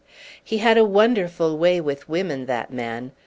He had a wonderful way with women, that man.